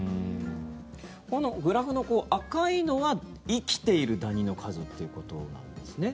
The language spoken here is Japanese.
このグラフの赤いのは生きているダニの数ということなんですね。